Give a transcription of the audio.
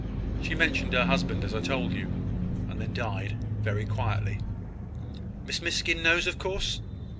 She mentioned her husband, as I told you, and then died very quietly." "Miss Miskin knows, of course?"